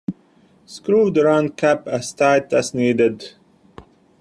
Screw the round cap on as tight as needed.